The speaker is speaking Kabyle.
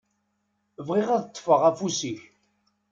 Bɣiɣ ad ṭṭfeɣ afus-ik.